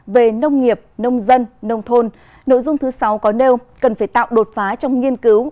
về nông nghiệp nông dân nông thôn nội dung thứ sáu có nêu cần phải tạo đột phá trong nghiên cứu